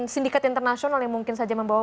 sindikat internasional yang mungkin saja membawa